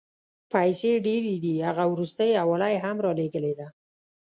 پیسې ډېرې دي، هغه وروستۍ حواله یې هم رالېږلې ده.